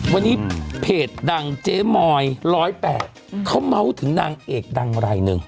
วันนี้เพจดังเจ๊มอย๑๐๘เขาเมาส์ถึงนางเอกดังรายหนึ่ง